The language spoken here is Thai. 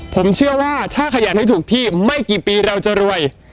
ผมเชื่อว่าถ้าขยันให้ถูกที่ไม่กี่ปีเราจะรวย